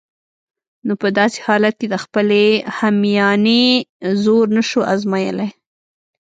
نو په داسې حالت کې د خپلې همیانۍ زور نشو آزمایلای.